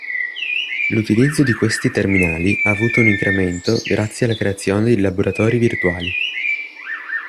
L'utilizzo di questi terminali ha avuto un incremento grazie alla creazione di laboratori virtuali.